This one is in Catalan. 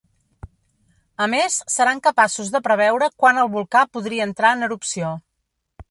A més, seran capaços de preveure quan el volcà podria entrar en erupció.